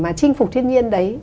để mà trinh phục thiên nhiên đấy